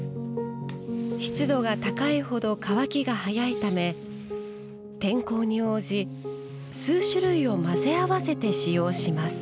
湿度が高いほど乾きが早いため天候に応じ数種類を混ぜ合わせて使用します。